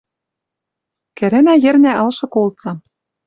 Кӹрӹнӓ йӹрнӓ ылшы колцам.